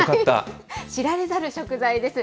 知られざる食材です。